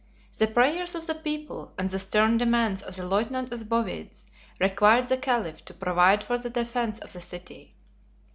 The prayers of the people, and the stern demands of the lieutenant of the Bowides, required the caliph to provide for the defence of the city.